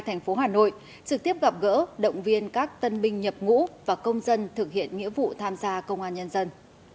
thành phố hà nội trực tiếp gặp gỡ động viên các tân binh nhập ngũ và công dân thực hiện nghĩa vụ tham gia công an nhân dân